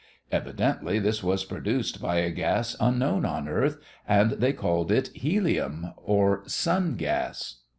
Evidently this was produced by a gas unknown on earth, and they called it "helium" or "sun" gas.